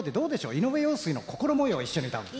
井上陽水の「心もよう」を一緒に歌うのは。